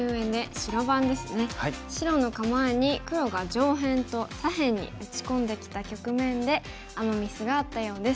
白の構えに黒が上辺と左辺に打ち込んできた局面でアマ・ミスがあったようです。